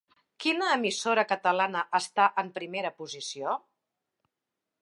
Quina emissora catalana està en primera posició?